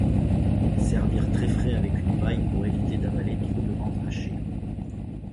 Servir très frais avec une paille pour éviter d'avaler trop de menthe hachée.